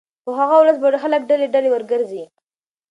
په هغه ورځ به خلک ډلې ډلې ورګرځي